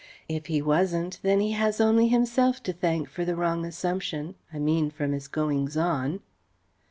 If he wasn't, then he has only himself to thank for the wrong assumption: I mean, from his goings on.